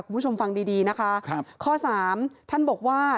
คุณผู้ชมฟังดีดีนะคะครับข้อสามท่านบอกว่า